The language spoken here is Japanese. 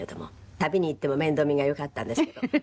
旅に行っても面倒見が良かったんですけど。